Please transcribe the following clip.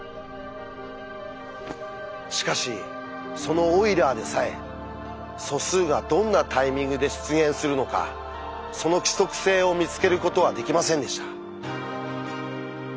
しかしそのオイラーでさえ素数がどんなタイミングで出現するのかその規則性を見つけることはできませんでした。